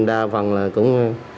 đa phần là cũng